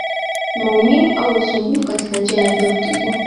Maumivu au usumbufu katika njia ya haja kubwa